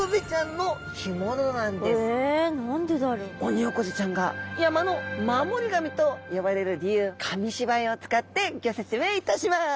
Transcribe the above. オニオコゼちゃんが山の守り神と呼ばれる理由紙芝居を使ってギョ説明いたします。